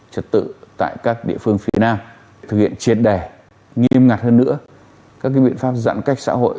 trật tự tại các địa phương phía nam thực hiện triệt đẻ nghiêm ngặt hơn nữa các biện pháp giãn cách xã hội